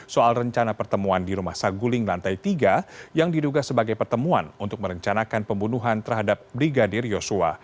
soal rencana pertemuan di rumah saguling lantai tiga yang diduga sebagai pertemuan untuk merencanakan pembunuhan terhadap brigadir yosua